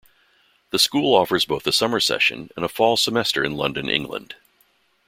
The school offers both a summer session and a fall semester in London, England.